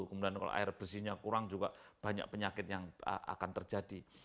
kemudian kalau air bersihnya kurang juga banyak penyakit yang akan terjadi